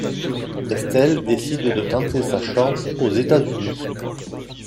Estelle décide de tenter sa chance aux États-Unis.